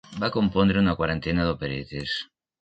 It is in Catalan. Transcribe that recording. Va compondre una quarantena d'operetes.